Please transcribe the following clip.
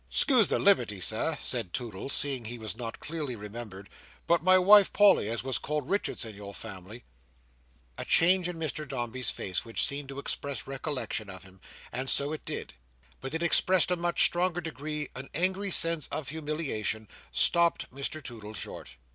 "'Scuse the liberty, Sir," said Toodle, seeing he was not clearly remembered, "but my wife Polly, as was called Richards in your family—" A change in Mr Dombey's face, which seemed to express recollection of him, and so it did, but it expressed in a much stronger degree an angry sense of humiliation, stopped Mr Toodle short.